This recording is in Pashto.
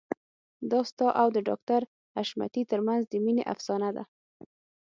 دا ستا او د ډاکټر حشمتي ترمنځ د مينې افسانه ده